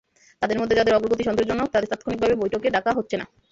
তাঁদের মধ্যে যাঁদের অগ্রগতি সন্তোষজনক, তাঁদের তাৎক্ষণিকভাবে বৈঠকে ডাকা হচ্ছে না।